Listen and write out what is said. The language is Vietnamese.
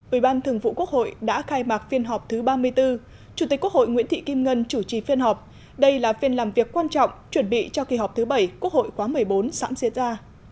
ủy ban thường vụ quốc hội đã khai mạc phiên họp thứ ba mươi bốn chủ tịch quốc hội nguyễn thị kim ngân chủ trì phiên họp đây là phiên làm việc quan trọng chuẩn bị cho kỳ họp thứ bảy quốc hội khóa một mươi bốn sẵn siết ra